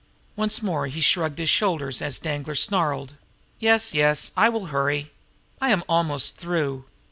Once more he shrugged his shoulders as Danglar snarled. "Yes, yes; I will hurry. I am almost through.